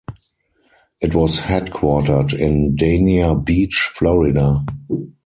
It was headquartered in Dania Beach, Florida.